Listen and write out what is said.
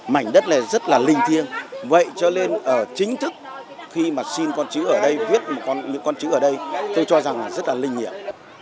mảnh đất này rất là linh thiêng vậy cho nên ở chính thức khi mà xin con chữ ở đây viết một con chữ ở đây tôi cho rằng là rất là linh nghiệp